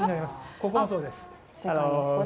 ここもそうです。